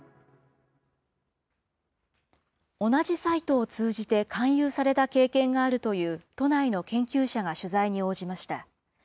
同じサイトを通じて、勧誘された経験があるという都内の研究者が取材に応じました。